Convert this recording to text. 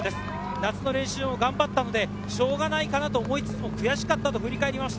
夏の練習を頑張ったのでしょうがないかなと思いつつも、悔しかったと振り返りました。